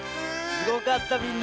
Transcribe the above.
すごかったみんな！